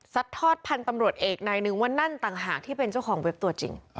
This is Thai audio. ทอดพันธุ์ตำรวจเอกนายนึงว่านั่นต่างหากที่เป็นเจ้าของเว็บตัวจริง